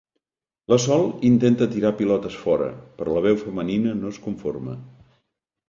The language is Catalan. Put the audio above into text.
La Sol intenta tirar pilotes fora, però la veu femenina no es conforma.